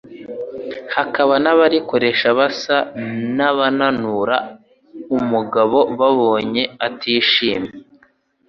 hakaba n'abarikoresha basa n'abaninura umugabo babonye atishimye.